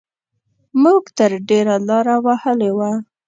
موږ تر ډېره لاره وهلې وه.